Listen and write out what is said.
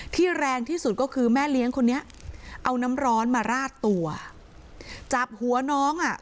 แรงที่สุดก็คือแม่เลี้ยงคนนี้เอาน้ำร้อนมาราดตัวจับหัวน้องอ่ะ